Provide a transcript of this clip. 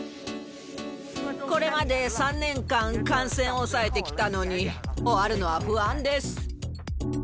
これまで３年間、感染を抑えてきたのに、終わるのは不安です。